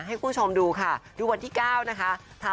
ให้คุณผู้ชมดูค่ะดูวันที่๙นะคะ